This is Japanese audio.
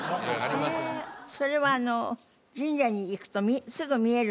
それは神社に行くとすぐ見えるんですか？